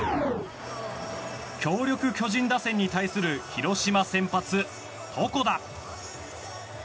強力巨人打線に対する広島先発、床田。